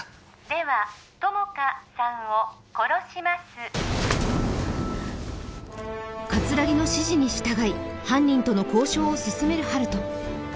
では友果さんを殺します葛城の指示に従い犯人との交渉を進める温人